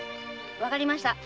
わかりました。